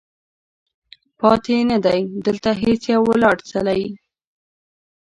پاتې نه دی، دلته هیڅ یو ولاړ څلی